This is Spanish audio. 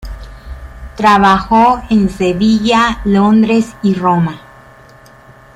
Trabajó en Sevilla, Londres y Roma.